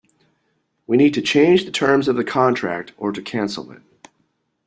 We need to change the terms of the contract, or to cancel it